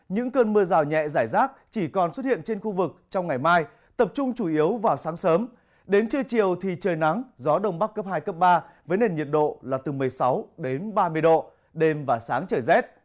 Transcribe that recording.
nhiệt độ ngày đêm thì có gió giảm hơn về diện và lượng gió đông cấp hai cấp ba nhiệt độ là từ một mươi sáu đến ba mươi độ